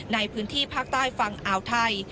ในพื้นที่ภาคใต้ฝั่งอ่าวไทย